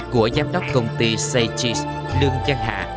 của giám đốc công ty say cheese lương trang hạ